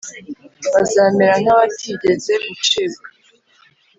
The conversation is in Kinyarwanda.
bazamera nk abatigeze gucibwa